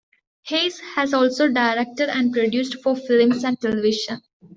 Hays has also directed and produced for films and television.